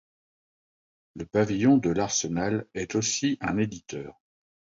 Le Pavillon de l’Arsenal est aussi un éditeur.